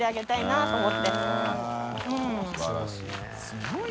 すごい！